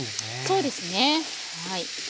そうですねはい。